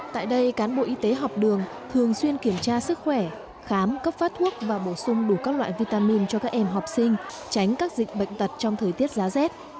tại đây cán bộ y tế học đường thường xuyên kiểm tra sức khỏe khám cấp phát thuốc và bổ sung đủ các loại vitamin cho các em học sinh tránh các dịch bệnh tật trong thời tiết giá rét